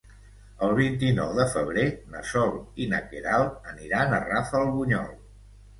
El vint-i-nou de febrer na Sol i na Queralt aniran a Rafelbunyol.